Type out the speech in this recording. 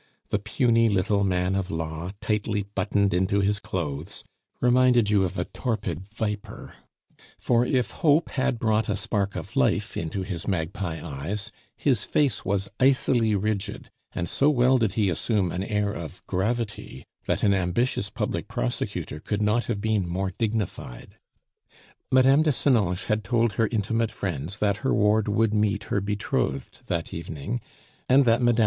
The puny little man of law, tightly buttoned into his clothes, reminded you of a torpid viper; for if hope had brought a spark of life into his magpie eyes, his face was icily rigid, and so well did he assume an air of gravity, that an ambitious public prosecutor could not have been more dignified. Mme. de Senonches had told her intimate friends that her ward would meet her betrothed that evening, and that Mme.